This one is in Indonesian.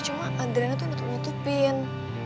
cuma adriana tuh udah tutupin